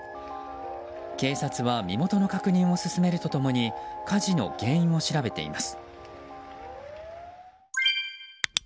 警察は身元の確認を進めると共に火事の原因を調べています。